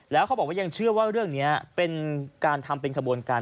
แล้วเขาบอกว่ายังเชื่อว่าเรื่องนี้เป็นการทำเป็นขบวนการ